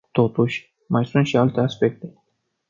Totuși, mai sunt și alte aspecte.